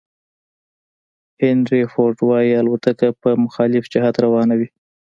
هینري فورد وایي الوتکه په مخالف جهت روانه وي.